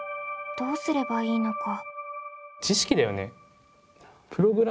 どうすればいいのか。